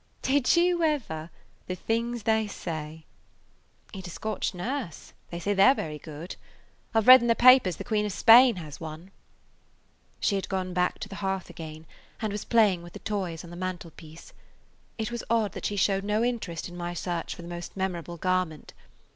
"Did you ever! The things they say! He 'd a Scotch nurse. They say they 're very good. I 've read in the papers the Queen of Spain has one." She had gone back to the hearth again, and was playing with the toys on the mantelpiece. It was odd that she showed no interest in my search for the most memorable garment.